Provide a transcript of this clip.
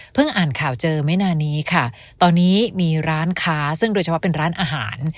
อ่านข่าวเจอไม่นานนี้ค่ะตอนนี้มีร้านค้าซึ่งโดยเฉพาะเป็นร้านอาหาร